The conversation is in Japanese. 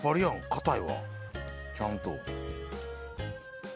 硬いわちゃんと。